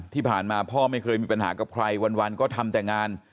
ที่ผ่านมาพ่อไม่เคยมีปัญหากับใครวันก็ทำแต่งาน